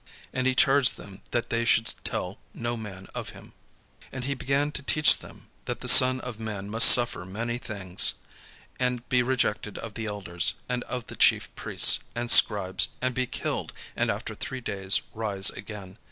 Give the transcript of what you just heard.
And he charged them that they should tell no man of him. And he began to teach them, that the Son of man must suffer many things, and be rejected of the elders, and of the chief priests, and scribes, and be killed, and after three days rise again.